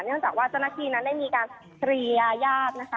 เนื่องจากว่าเจ้าหน้าที่นั้นได้มีการเคลียร์ญาตินะคะ